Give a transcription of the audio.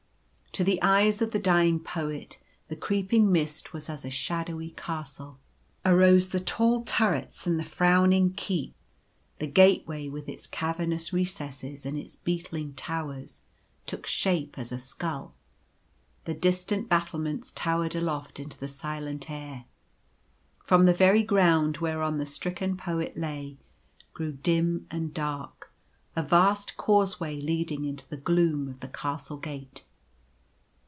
To the eyes of the dying Poet the creeping mist was as a shadowy castle. Arose the tall turrets and the frowning keep. The gateway with its cavernous re cesses and its beetling towers took shape as a skull. The distant battlements towered aloft into the silent air. From the very ground whereon the stricken Poet lay, grew, dim and dark, a vast causeway leading into the gloom of the Castle gate.